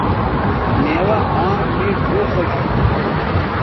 میوہ آم مے ڙھؤ خوش تھو